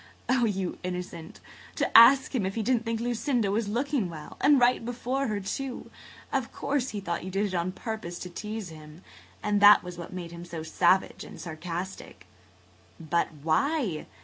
Oh, you innocent! To ask him if he didn't think Lucinda was looking well! And right before her, too! Of course he thought you did it on purpose to tease him. That was what made him so savage and sarcastic." "But why?